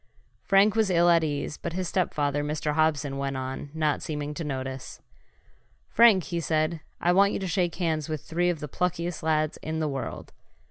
Frank was ill at ease. But his stepfather, Mr. Hobson, went on, not seeming to notice. "Frank," he said, "I want you to shake hands with three of the pluckiest lads in the world.